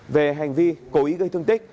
về hành vi cố ý gây thương tích